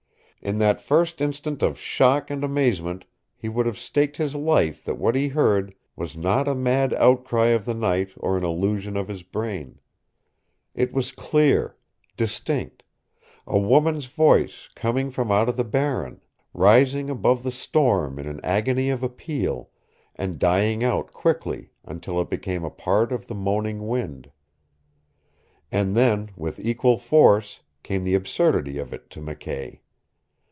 In that first instant of shock and amazement he would have staked his life that what he heard was not a mad outcry of the night or an illusion of his brain. It was clear distinct a woman's voice coming from out on the Barren, rising above the storm in an agony of appeal, and dying out quickly until it became a part of the moaning wind. And then, with equal force, came the absurdity of it to McKay.